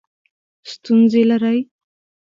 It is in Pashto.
ستونزې لرئ؟